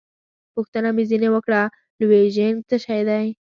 پوښتنه مې ځینې وکړه: لوژینګ څه شی دی؟